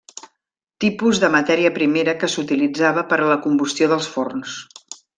Tipus de matèria primera que s'utilitzava per a la combustió dels forns.